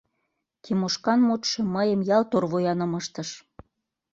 Тимошкан мутшо мыйым ялт орвуяным ыштыш.